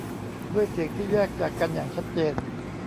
ด้วยเสียงที่แยกจากกันอย่างชัดเจน